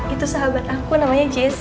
itu sahabat aku namanya jazz